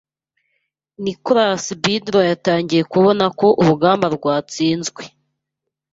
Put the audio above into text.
Nicholas Biddle yatangiye kubona ko urugamba rwatsinzwe.